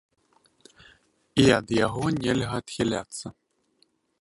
І ад яго нельга адхіляцца.